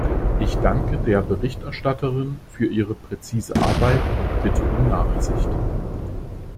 Ich danke der Berichterstatterin für ihre präzise Arbeit und bitte um Nachsicht.